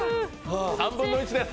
３分の１です。